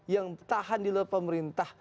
yang tahan di luar pemerintah